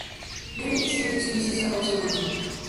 Many extinct species are also known.